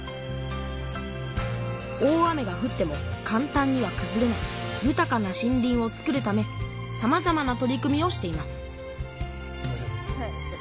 大雨がふってもかん単にはくずれないゆたかな森林をつくるためさまざまな取り組みをしています